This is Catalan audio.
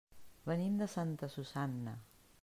Venim de Santa Susanna.